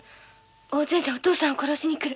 大勢でお父さんを殺しに来る。